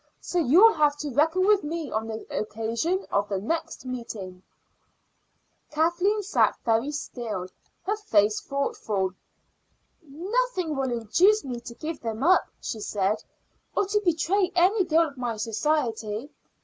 So you'll have to reckon with me on the occasion of the next meeting." Kathleen sat very still, her face thoughtful. "Nothing will induce me to give them up," she said, or to betray any girl of my society.